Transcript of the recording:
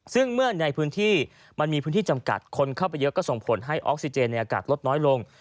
ซึ่งเมื่อในพื้นที่มันมีพื้นที่จำกัดคนเข้าไปเยอะก็ส่งผลให้ออกซิเจนในอากาศลดน้อยลง